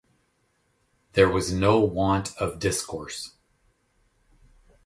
There was no want of discourse.